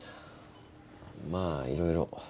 まあいろいろ。